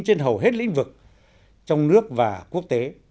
trên hầu hết lĩnh vực trong nước và quốc tế